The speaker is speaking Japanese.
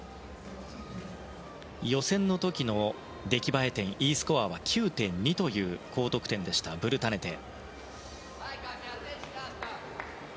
予選の時の出来栄え点Ｅスコアは９．２という高得点でした、ブルタネテ。